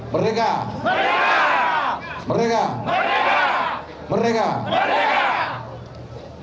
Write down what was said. mereka mereka mereka mereka mereka